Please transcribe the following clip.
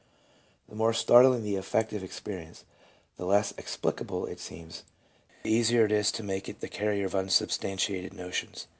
The more startling the affective experience, the less explicable it seems, the easier it is to make it the carrier of unsubstantiated notions.